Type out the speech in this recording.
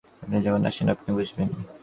আপনি যখন আছেন, আপনিও বুঝবেন।